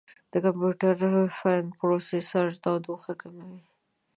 د کمپیوټر فین د پروسیسر تودوخه کموي.